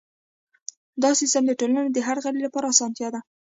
دا سیستم د ټولنې د هر غړي لپاره اسانتیا ده.